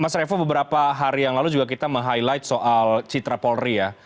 mas revo beberapa hari yang lalu juga kita meng highlight soal citra polri ya